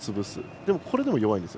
でもこれでも弱いんです。